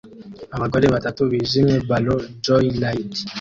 Abagore batatu bishimira ballon joyride